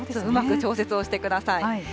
うまく調節をしてください。